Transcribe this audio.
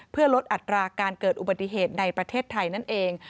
เพื่อลดอัตราการเกิดอุบัติเหตุในประเทศไทยนั่นเอง